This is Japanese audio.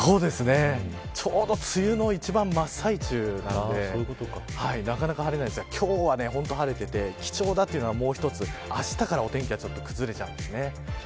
ちょうど梅雨の一番真っ最中なのでなかなか晴れないんですが今日は本当晴れていて貴重なのはもう一つ、あしたからお天気が崩れちゃうんです。